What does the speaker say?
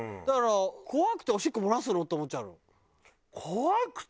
だから怖くておしっこ漏らすの？って思っちゃうの。